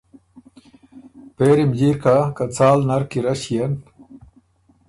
پېری م جیر کَه که څال نر کی رݭيېن